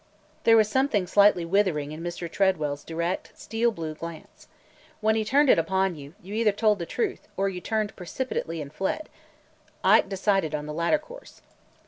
There was something slightly withering in Mr. Tredwell's direct, steel blue glance. When he turned it upon you, you either told the truth – or you turned precipitately and fled. Ike decided on the latter course.